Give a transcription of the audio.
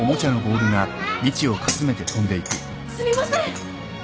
すみません！